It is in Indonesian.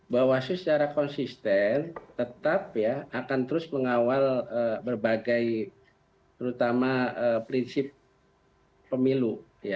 bawaslu secara konsisten tetap akan terus mengawal berbagai terutama prinsip pemilu